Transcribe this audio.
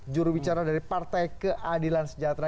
jurubicara dari partai keadilan sejahtera